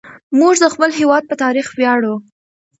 موږ د خپل هېواد په تاريخ وياړو.